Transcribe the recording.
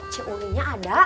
c ulinya ada